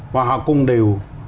và họ cũng đều